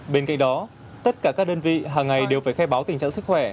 bên cạnh đó tất cả các đơn vị hằng ngày đều phải khe báo tình trạng sức khỏe